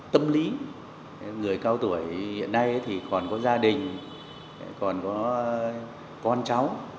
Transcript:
tâm lý người cao tuổi hiện nay thì còn có gia đình còn có con cháu